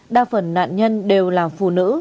đa phần nạn nhân đều là phụ nữ